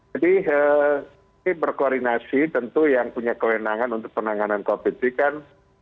jadi ini berkoordinasi tentu yang punya kelenangan untuk penanganan covid sembilan belas kan